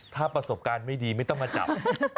ถ้าประสบการณ์ไม่ดีไม่ต้องมาจับ